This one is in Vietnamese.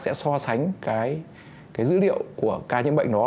sẽ so sánh cái dữ liệu của ca nhiễm bệnh đó